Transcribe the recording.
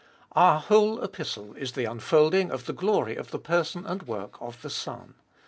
Our whole Epistle is the unfold ing of the glory of the person and work of the Son.